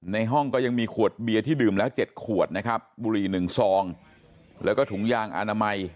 ในห้องก็ยังมีขวดเบียร์ที่ดื่มแล้ว๗ขวดนะครับบุหรี่๑ซองแล้วก็ถุงยางอนามัย